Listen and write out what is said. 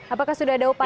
apakah sudah ada upaya